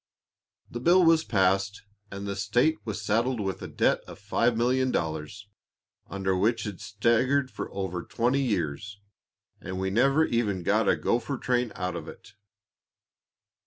The bill was passed, and the state was saddled with a debt of $5,000,000, under which it staggered for over twenty years, and we never even got a gopher train out of it.